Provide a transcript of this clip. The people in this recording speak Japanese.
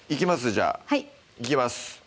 じゃあいきます